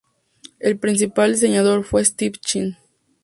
El principal diseñador fue Steve Chen.